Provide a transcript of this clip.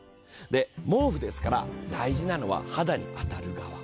毛布ですから大事なのは肌に当たる側。